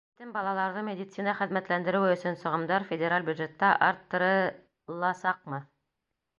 — Етем балаларҙы медицина хеҙмәтләндереүе өсөн сығымдар федераль бюджетта арттырыласаҡмы?